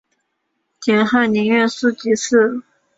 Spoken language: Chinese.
点翰林院庶吉士。